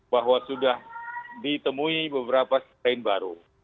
bahwa sudah ditemui beberapa strain baru